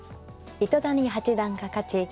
糸谷八段が勝ち